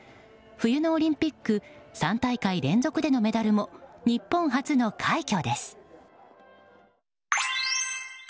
冬のオリンピック３大会連続でのメダルも日本初の快挙です。